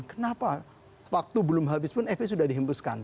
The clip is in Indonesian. kenapa waktu belum habis pun fpi sudah dihembuskan